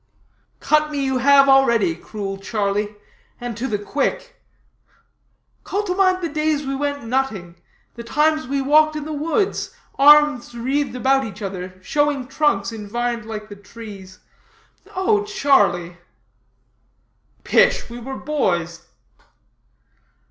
"Cut me you have already, cruel Charlie, and to the quick. Call to mind the days we went nutting, the times we walked in the woods, arms wreathed about each other, showing trunks invined like the trees: oh, Charlie!" "Pish! we were boys."